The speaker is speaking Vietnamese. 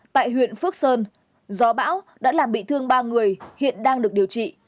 tại huyện phước sơn gió bão đã làm bị thương ba người hiện đang được điều trị